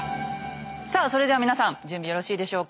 さあそれでは皆さん準備よろしいでしょうか？